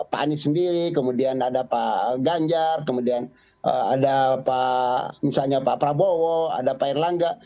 pak anies sendiri kemudian ada pak ganjar kemudian ada misalnya pak prabowo ada pak erlangga